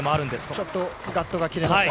ちょっとガットが切れました